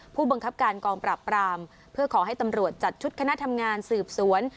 ผู้บังคับการกองปราบปรามเพื่อขอให้ตำรวจจัดชุดคณะทำงานสืบสวน